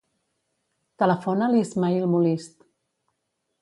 Telefona a l'Ismaïl Molist.